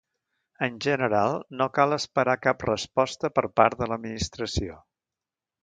En general, no cal esperar cap resposta per part de l'Administració.